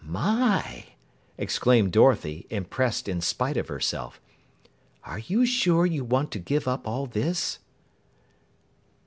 "My!" exclaimed Dorothy, impressed in spite of herself. "Are you sure you want to give up all this?"